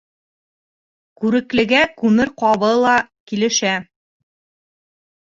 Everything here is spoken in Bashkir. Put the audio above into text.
Күреклегә күмер ҡабы ла килешә.